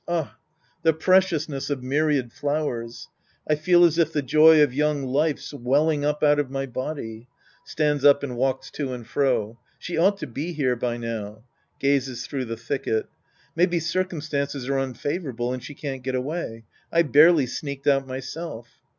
Ah, the preciousness of myriad flowers ! I feel as if the joy of young life's welling up out of my body. {Stands up and walks to and fro.) She ought to be here now. {Gazes through the thicket.) Maybe circumstances are un favourable, and she can't get away. I barely sneaked out myself.